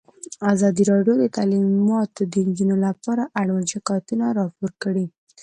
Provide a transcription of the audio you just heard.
ازادي راډیو د تعلیمات د نجونو لپاره اړوند شکایتونه راپور کړي.